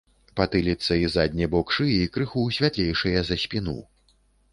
Патыліца і задні бок шыі крыху святлейшыя за спіну.